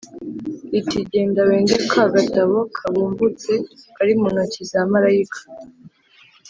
riti “Genda wende ka gatabo kabumbutse kari mu intoki za marayika